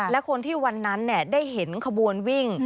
และคนที่วันนั้นได้เห็นขบวนวิ่ง